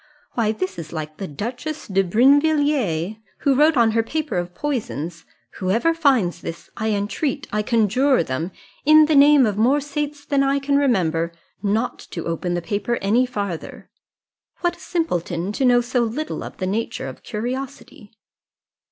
Why, this is like the Duchess de Brinvilliers, who wrote on her paper of poisons, 'Whoever finds this, I entreat, I conjure them, in the name of more saints than I can remember, not to open the paper any farther.' What a simpleton, to know so little of the nature of curiosity!"